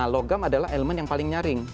logam adalah elemen yang paling nyaring